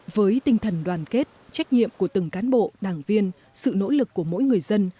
với tinh thần đoàn kết trách nhiệm của từng cán bộ đảng viên sự nỗ lực của mỗi người dân